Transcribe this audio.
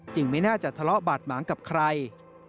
ไม่น่าจะทะเลาะบาดหมางกับใคร